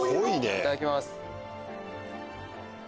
いただきます。